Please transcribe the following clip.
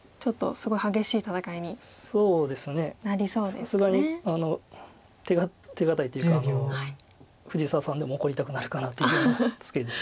さすがに手堅いというか藤沢さんでも怒りたくなるかなというようなツケです。